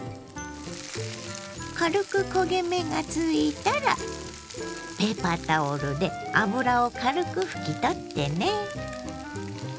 軽く焦げ目がついたらペーパータオルで油を軽く拭き取ってね。